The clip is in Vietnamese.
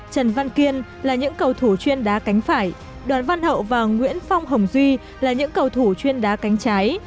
trần văn kiên là những cầu thủ chuyên đá cánh phải đoàn văn hậu và nguyễn phong hồng duy là những cầu thủ chuyên đá cánh trái